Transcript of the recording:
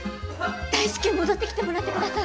大至急戻ってきてもらってください。